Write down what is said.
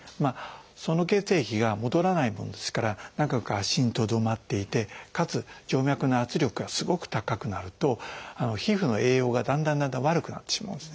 その血液が戻らないもんですから長く足にとどまっていてかつ静脈の圧力がすごく高くなると皮膚の栄養がだんだんだんだん悪くなってしまうんですね。